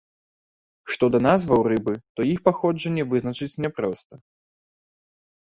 Што да назваў рыбы, то іх паходжанне вызначыць няпроста.